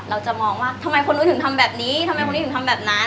เราจะมองว่าทำไมคนนู้นถึงทำแบบนี้ทำไมคนนี้ถึงทำแบบนั้น